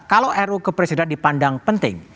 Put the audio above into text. kalau ru kepresidenan dipandang penting